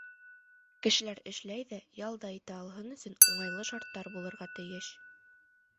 Кешеләр эшләй ҙә, ял да итә алһын өсөн уңайлы шарттар булырға тейеш.